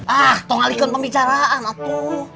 ah tolong ikut pembicaraan aku